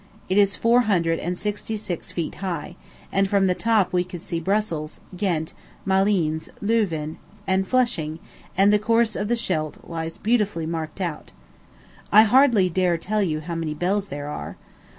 It is four hundred and sixty six feet high; and from the top we could see Brussels, Ghent, Malines, Louvain, and Flushing, and the course of the Scheldt lies beautifully marked out. I hardly dare tell you how many bells there are.